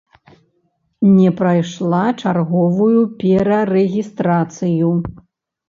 Не прайшла чарговую перарэгістрацыю.